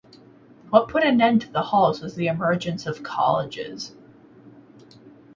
What put an end to the halls was the emergence of colleges.